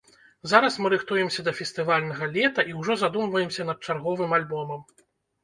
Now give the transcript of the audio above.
Зараз мы рыхтуемся да фестывальнага лета і ўжо задумваемся над чарговым альбомам.